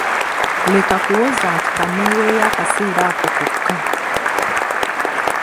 Leka kuwoza nti kanneeeweeyo akaseera ako kokka.